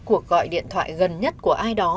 cuộc gọi điện thoại gần nhất của ai đó